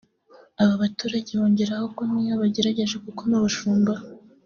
Aba baturage bongeraho ko n’iyo bagerageje gukoma abashumba